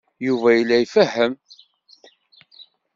Yuba yella ifehhem.